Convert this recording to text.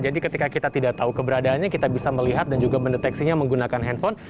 jadi ketika kita tidak tahu keberadaannya kita bisa melihat dan juga mendeteksinya menggunakan handphone